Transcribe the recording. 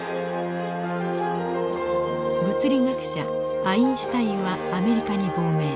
物理学者アインシュタインはアメリカに亡命。